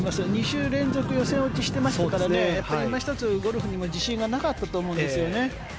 ２週連続予選落ちしてましたから今ひとつゴルフにも自信がなかったと思うんですよね。